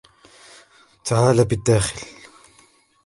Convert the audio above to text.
تعالَ بالداخل.